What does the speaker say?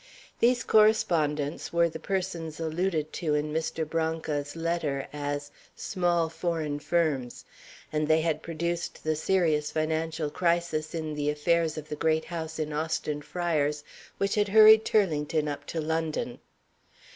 These correspondents were the persons alluded to in Mr. Branca's letter as "small foreign firms;" and they had produced the serious financial crisis in the affairs of the great house in Austin Friars, which had hurried Turlington up to London.